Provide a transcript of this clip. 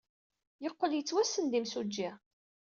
Yeqqel yettwassen d imsujji.